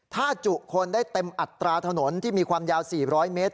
ถ้าจุคนได้เต็มอัตราถนนที่มีความยาว๔๐๐เมตร